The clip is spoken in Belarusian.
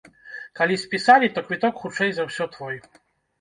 Калі спісалі, то квіток хутчэй за ўсё твой.